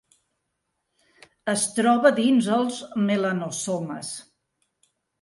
Es troba dins els melanosomes.